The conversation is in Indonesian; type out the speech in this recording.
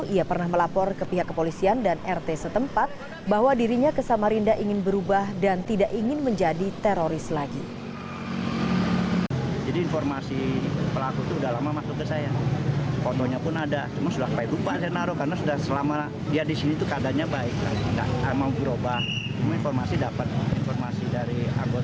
ia pernah melapor ke pihak kepolisian dan rt setempat bahwa dirinya ke samarinda ingin berubah dan tidak ingin menjadi teroris lagi